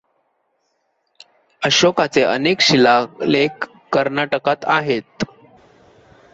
अशोकाचे अनेक शिलालेख कर्नाटकात आहेत.